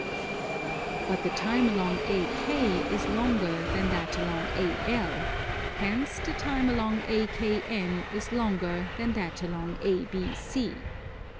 But the time along AK is longer than that along AL: hence the time along AKN is longer than that along ABC.